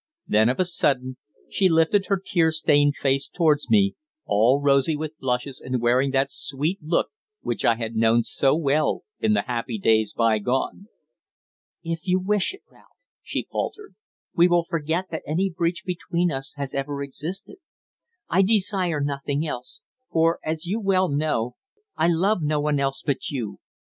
Then, of a sudden, she lifted her tear stained face towards me, all rosy with blushes and wearing that sweet look which I had known so well in the happy days bygone. "If you wish it, Ralph," she faltered, "we will forget that any breach between us has ever existed. I desire nothing else; for, as you well know, I love no one else but you.